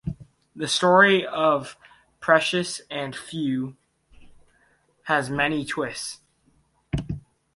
The story of "Precious and Few" has many twists.